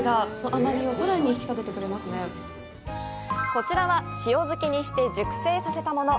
こちらは塩漬けにして熟成させたもの。